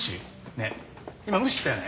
ねえ今無視したよね？